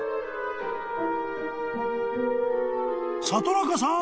［里中さん